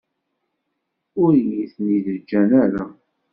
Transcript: Ur iyi-ten-id-ǧǧan ara.